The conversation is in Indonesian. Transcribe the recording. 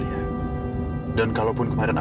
jadi biar dia bisa men territories laju